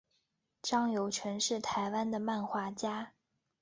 张友诚是台湾的漫画家。